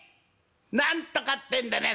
何とかってんだよね